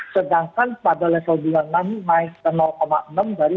sedangkan pada level dua puluh enam naik ke enam dari dua